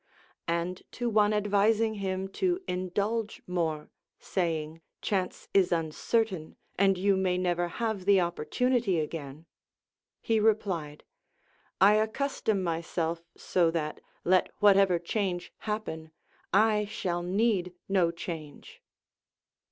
And to one advising him to indulge more, saying, Chance is uncertain, and you may never have the opportunity again, he replied, I accus tom myself so that, let whatever change happen, I shall need no change.